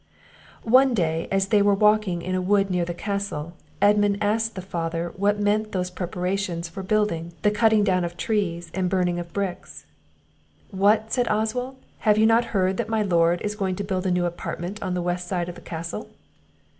One day, as they were walking in a wood near the castle, Edmund asked the father, what meant those preparations for building, the cutting down trees, and burning of bricks? "What," said Oswald, "have you not heard that my Lord is going to build a new apartment on the west side of the castle?"